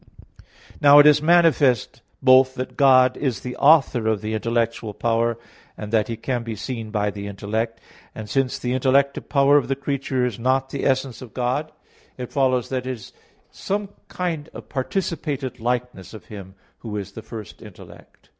Now it is manifest both that God is the author of the intellectual power, and that He can be seen by the intellect. And since the intellective power of the creature is not the essence of God, it follows that it is some kind of participated likeness of Him who is the first intellect.